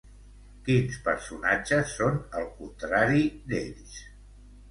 Quins personatges són el contrari d'ells?